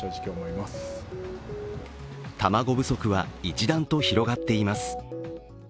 卵不足は一段と広がっています。